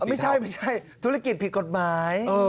ไม่ใช่ไม่ใช่ธุรกิจผิดกฎหมาย